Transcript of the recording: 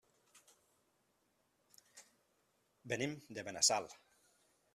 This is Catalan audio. Venim de Benassal.